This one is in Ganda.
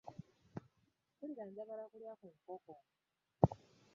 Mpulira njagala kulya ku nkoko.